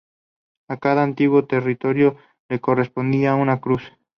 A cada antiguo territorio le correspondía una cruz.